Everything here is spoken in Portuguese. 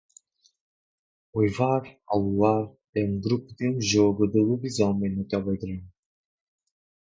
Uivar ao Luar é um grupo de um jogo de lobisomem no Telegram